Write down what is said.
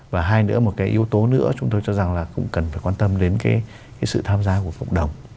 và hai nữa một cái yếu tố nữa chúng tôi cho rằng là cũng cần phải quan tâm đến cái sự tham gia của cộng đồng